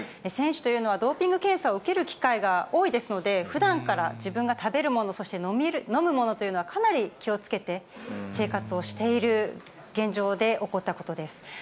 選手というのは、ドーピング検査を受ける機会が多いですので、ふだんから自分が食べるもの、そして、飲むものというのは、かなり気をつけて生活をしている現状で起こったことです。